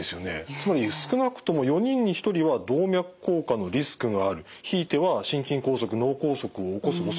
つまり少なくとも４人に１人は動脈硬化のリスクがあるひいては心筋梗塞脳梗塞を起こすおそれがあるということですよね。